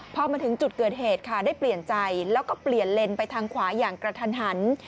พอมาถึงจุดเกิดเหตุค่ะได้เปลี่ยนใจแล้วก็เปลี่ยนเลนไปทางขวาอย่างกระทันหัน